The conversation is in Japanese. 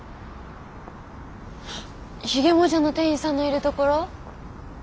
ひげもじゃの店員さんのいる所？